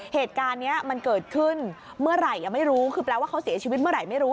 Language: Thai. เหตุการณ์นี้มันเกิดขึ้นเมื่อไหร่ยังไม่รู้คือแปลว่าเขาเสียชีวิตเมื่อไหร่ไม่รู้